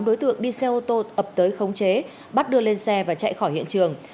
đối tượng đi xe ô tô ập tới khống chế bắt đưa lên xe và chạy khỏi hiện trường